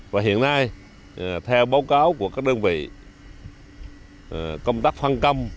và hiện nay theo báo cáo của các đơn vị công tác phân công